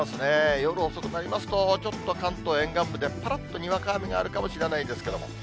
夜遅くなりますと、ちょっと関東沿岸部でぱらっとにわか雨があるかもしれないですけども。